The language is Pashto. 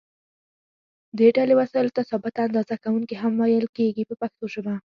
دې ډلې وسایلو ته ثابته اندازه کوونکي هم ویل کېږي په پښتو ژبه.